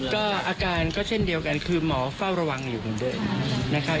ก็อาการก็เช่นเดียวกันคือหมอเฝ้าระวังอยู่เหมือนเดิมนะครับ